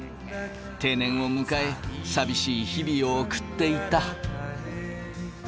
定年を迎え寂しい日々を送っていた。